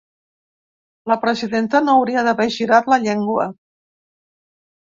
La presidenta no hauria d’haver girat la llengua.